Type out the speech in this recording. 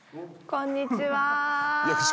こんにちは。